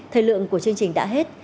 thời lượng của chương trình đã hết